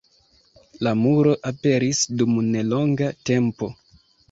La muro aperis dum nelonga tempo.